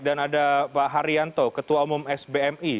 dan ada pak haryanto ketua umum sbmi